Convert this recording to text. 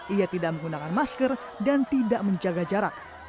ia tidak menggunakan masker dan tidak menjaga jarak